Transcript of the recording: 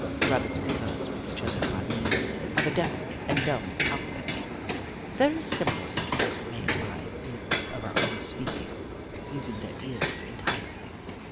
Rabbits converse with each other by means of a deaf and dumb alphabet, very similar to that made by mutes of our own species, using their ears entirely.